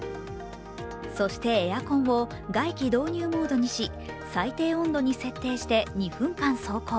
そしてエアコンを外気導入モードにし、最低温度に設定して２分間走行。